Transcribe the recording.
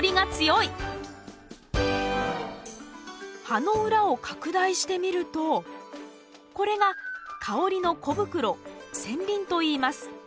葉の裏を拡大してみるとこれが香りの小袋腺鱗といいます。